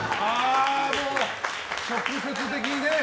直接的にね。